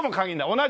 同じ？